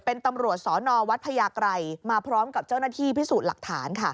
เป็นตำรวจสนวัดพญาไกรมาพร้อมกับเจ้าหน้าที่พิสูจน์หลักฐานค่ะ